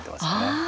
ああ！